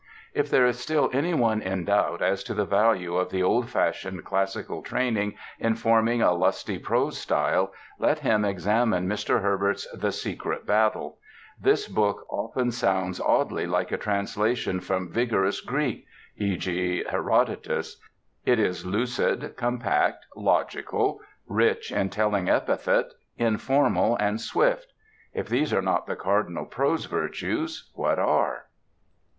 If there is still any one in doubt as to the value of the oldfashioned classical training in forming a lusty prose style, let him examine Mr. Herbert's The Secret Battle. This book often sounds oddly like a translation from vigorous Greek e.g., Herodotus. It is lucid, compact, logical, rich in telling epithet, informal and swift. If these are not the cardinal prose virtues, what are?